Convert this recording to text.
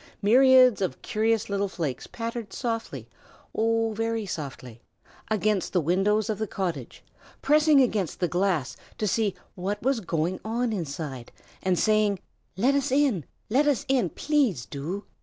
Myriads of curious little flakes pattered softly oh! very softly against the windows of the cottage, pressing against the glass to see what was going on inside, and saying, "Let us in! let us in! please do!"